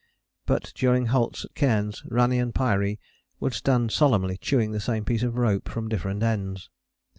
But during halts at cairns Rani and Pyaree would stand solemnly chewing the same piece of rope from different ends.